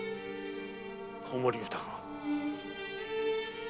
子守歌が。